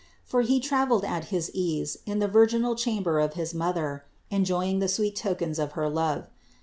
For He traveled at his ease in the virginal chamber of his Mother, enjoying the sweet tokens of her love.